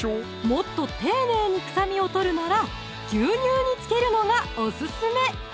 もっと丁寧に臭みを取るなら牛乳につけるのがオススメ